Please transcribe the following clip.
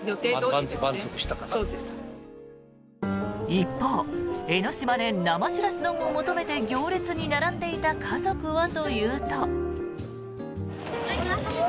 一方、江の島で生シラス丼を求めて行列に並んでいた家族はというと。